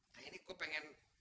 nah ini gue pengen